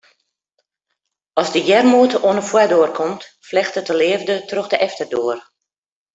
As de earmoed oan 'e foardoar komt, flechtet de leafde troch de efterdoar.